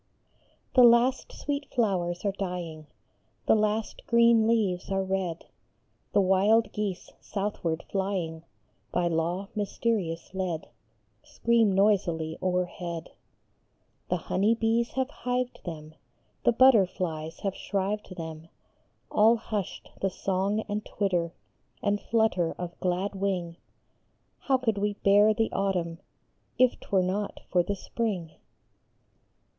HE last sweet flowers are dying, The last green leaves are red ; The wild geese southward flying, By law mysterious led, Scream noisily o erhead ; The honey bees have hived them, The butterflies have shrived them ; All hushed the song and twitter And flutter of glad wing ; How could we bear the autumn If t were not for the spring